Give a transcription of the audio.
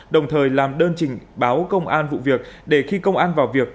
đồng thời làm đơn trình báo công an vụ việc để khi công an vào việc